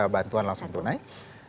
bantuan langsung pun naik